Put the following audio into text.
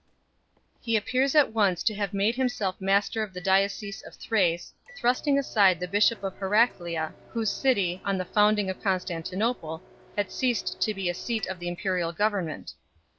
He appears at once to have made himself master of the diocese of Thrace, thrusting aside the bishop of Heraclea, whose city, on the founding of Constantinople, had ceased to be the seat of the imperial government.